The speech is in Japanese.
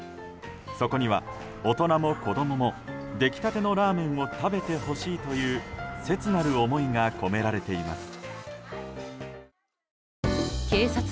そこには、大人も子供も出来立てのラーメンを食べてほしいという切なる思いが込められています。